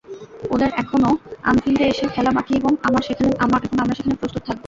ওদের এখনো অ্যানফিল্ডে এসে খেলা বাকি এবং আমরা সেখানে প্রস্তুত থাকব।